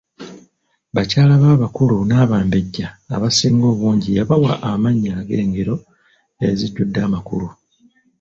Bakyala be abakulu n'abambejja abasinga obungi yabawa amannya ag'engero ezijjudde amakulu.